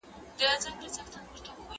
آیا ته غواړې چي ټولنپوه سې؟